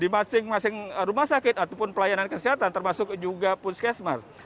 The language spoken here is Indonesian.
maksin masing rumah sakit ataupun pelayanan kesehatan termasuk juga puskesmar